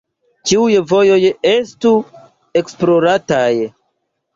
Ĉiuj vojoj estu esplorataj.